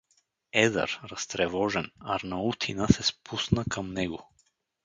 Едър, разтревожен, Арнаутина се спусна към него.